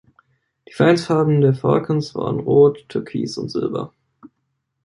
Die Vereinsfarben der "Falcons" waren Rot, Türkis und Silber.